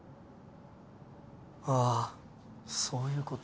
ああそういうこと。